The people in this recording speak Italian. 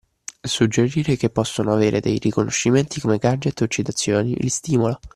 Suggerire che possono avere dei riconoscimenti come gadget o citazioni li stimola.